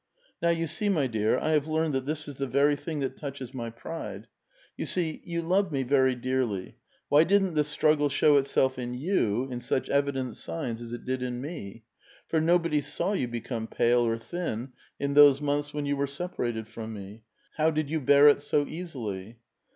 "Now, you see, my dear, I have learned that this is the very thing that touches my pride. You see, you love me very dearly. Why didn't the struggle show itself in you in such evident signs as it did in me ? For nobody saw you be come pale or thin in those months when you were separated from me. How did you bear it so easily?"